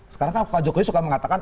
sekarang kan pak jokowi suka mengatakan